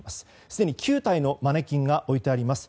すでに９体のマネキンが置いてあります。